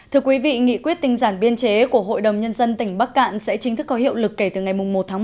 thưa quý vị nghị quyết tinh giản biên chế của hội đồng nhân dân tỉnh bắc cạn sẽ chính thức có hiệu lực kể từ ngày một một hai nghìn một mươi chín